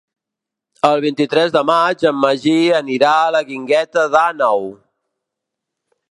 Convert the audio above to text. El vint-i-tres de maig en Magí anirà a la Guingueta d'Àneu.